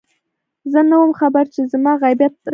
زه نه وم خبر چې زما غيبت روان دی